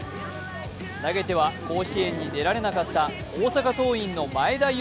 投げては甲子園に出られなかった大阪桐蔭の山田悠